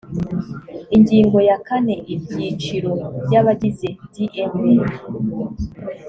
ingingo ya kane ibyiciro by abagize dma